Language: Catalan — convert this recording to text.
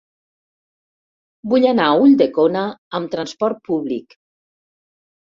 Vull anar a Ulldecona amb trasport públic.